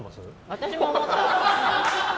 私も思った。